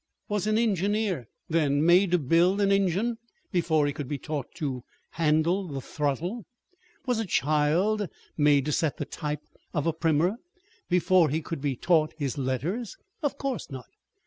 Was an engineer, then, made to build an engine before he could be taught to handle the throttle? Was a child made to set the type of a primer before he could be taught his letters? Of course not!